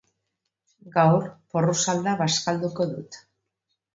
Gaur porrusalda bazkalduko dut.